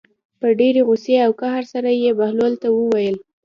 په ډېرې غوسې او قهر سره یې بهلول ته وویل.